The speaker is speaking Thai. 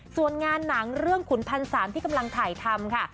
ส่วนงานหนังเรื่องขุนพันสามที่กำลังถ่ายทำค่ะ